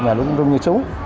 nhà luôn luôn như súng